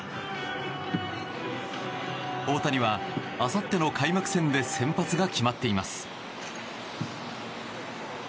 大谷は、あさっての開幕戦で先発が決まっています。